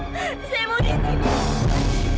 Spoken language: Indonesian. saya mau disini